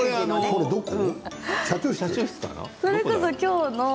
これはどこ？